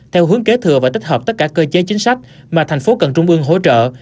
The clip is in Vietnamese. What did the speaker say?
theo hướng kế thừa và tích hợp tất cả cơ chế chính sách mà thành phố cần trung ương hỗ trợ